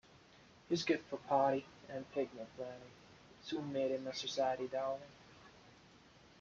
His gift for party and picnic planning soon made him a society darling.